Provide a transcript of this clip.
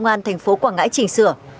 công an thành phố quảng ngãi chỉnh sửa